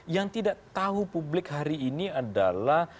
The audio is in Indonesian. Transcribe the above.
yang tidak tahu publik hari ini adalah